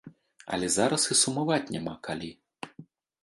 Але зараз і сумаваць няма калі.